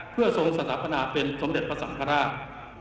เพื่อทรงสัตว์ภนาเป็นสมเด็จประสัมภาษณะ